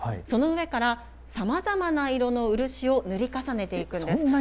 その上からさまざまな色の漆を塗り重ねていくんです。